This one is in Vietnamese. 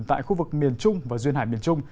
tại khu vực miền trung và duyên hải miền trung